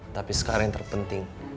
tapi sekarang yang terpenting